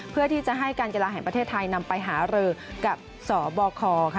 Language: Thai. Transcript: เพื่อที่จะให้การกีฬาแห่งประเทศไทยนำไปหารือกับสบคค่ะ